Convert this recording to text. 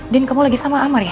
kamu lagi sama amar ya